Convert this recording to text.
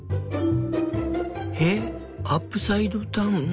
えっアップサイドダウン？